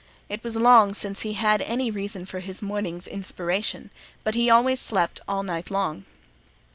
It was long since he had any reason for his morning's inspiration, but he always slept all night long.